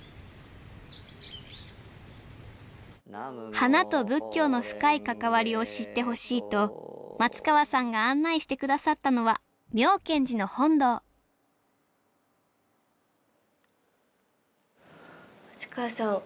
花と仏教の深い関わりを知ってほしいと松川さんが案内して下さったのは妙顕寺の本堂松川さん